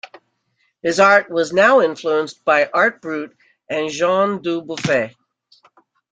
His art was now influenced by art brut and Jean Dubuffet.